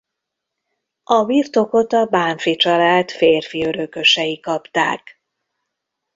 A birtokot a Bánffy család férfi örökösei kapták.